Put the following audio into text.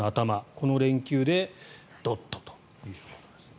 この連休でドッとということですね。